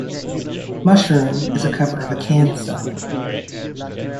"Mushroom" is a cover of a Can song.